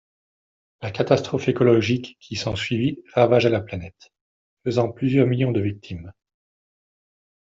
La catastrophe écologique qui s'ensuivit ravagea la planète, faisant plusieurs millions de victimes.